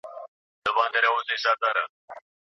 په هر انسان کي کوم مثبت اړخونه سته؟